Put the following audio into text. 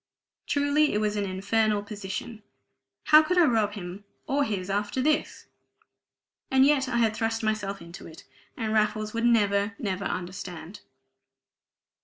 Truly it was an infernal position: how could I rob him or his after this? And yet I had thrust myself into it; and Raffles would never, never understand!